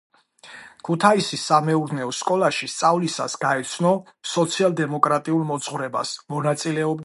ქუთაისის სამეურნეო სკოლაში სწავლისას გაეცნო სოციალ-დემოკრატიულ მოძღვრებას, მონაწილეობდა მოსწავლეთა არალეგალურ წრეებში.